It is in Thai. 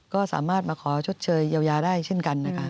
ก็สามารถมาขอชดเชยเยียวยาได้เช่นกันนะคะ